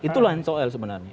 itu lain soal sebenarnya